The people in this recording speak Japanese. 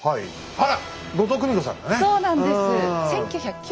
あら！